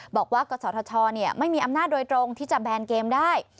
บอกว่ากษทชเนี่ยไม่มีอำนาจโดยตรงที่จะแบนเกมได้